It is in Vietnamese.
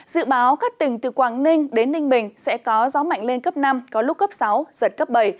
dự báo các tỉnh từ quảng ninh đến ninh bình sẽ có gió mạnh lên cấp năm có lúc cấp sáu giật cấp bảy